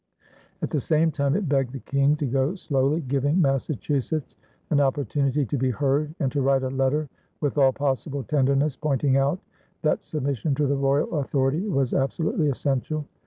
At the same time, it begged the King to go slowly, giving Massachusetts an opportunity to be heard, and to write a letter "with all possible tenderness," pointing out that submission to the royal authority was absolutely essential.